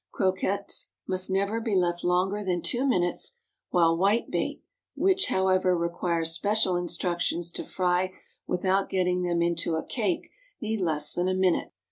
Croquettes must never be left longer than two minutes, while whitebait (which, however, require special instruction to fry without getting them into a cake) need less than a minute.